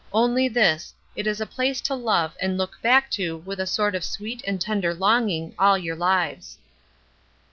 Only this, it is a place to love and look back to with a sort of sweet and tender longing all your lives.